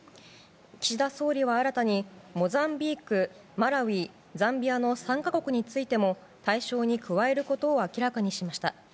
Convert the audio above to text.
岸田総理は新たにモザンビーク、マラウイザンビアの３か国についても対象に加えることを明らかにしました。